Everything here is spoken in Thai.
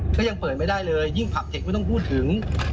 ก็ยังเปิดไม่ได้เลยยิ่งผับเด็กไม่ต้องพูดถึง